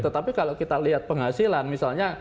tetapi kalau kita lihat penghasilan misalnya